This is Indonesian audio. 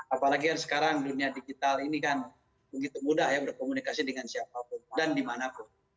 apalagi kan sekarang dunia digital ini kan begitu mudah ya berkomunikasi dengan siapapun dan dimanapun